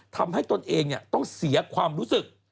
ทำให้ตนเองต้องเสียความรู้สึก